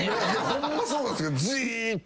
ホンマそうなんすけどじーっと